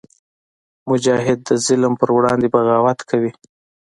مجاهد د ظلم پر وړاندې بغاوت کوي.